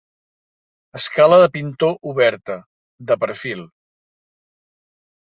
Escala de pintor oberta, de perfil.